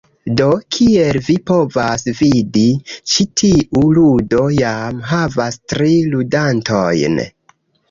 Do, kiel vi povas vidi, ĉi tiu ludo jam havas tri ludantojn.